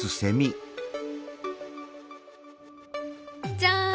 じゃん！